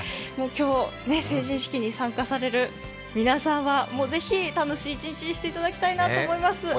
今日、成人式に参加される皆さんはぜひ楽しい一日にしていただきたいと思います。